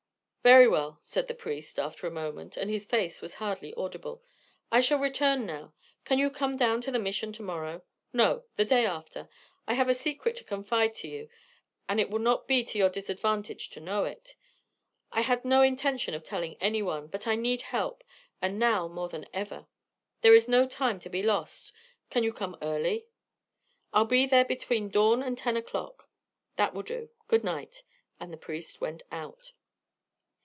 "Very well," said the priest, after a moment, and his voice was hardly audible. "I shall return now. Can you come down to the Mission to morrow no, the day after. I have a secret to confide to you, and it will not be to your disadvantage to know it. I had no intention of telling any one, but I need help, and now more than ever. There is no time to be lost. Can you come early?" "I'll be there between dawn and ten o'clock." "That will do. Good night." And the priest went out.